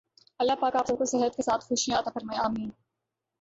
اللہ پاک آپ کو صحت کے ساتھ خوشیاں عطا فرمائے آمین